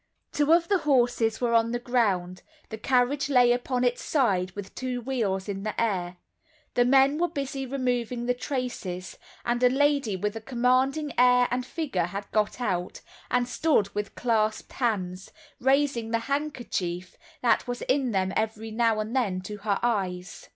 Two of the horses were on the ground, the carriage lay upon its side with two wheels in the air; the men were busy removing the traces, and a lady with a commanding air and figure had got out, and stood with clasped hands, raising the handkerchief that was in them every now and then to her eyes.